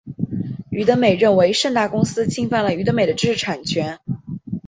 娱美德认为盛大公司侵犯了娱美德的知识产权。